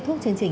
trao yêu thương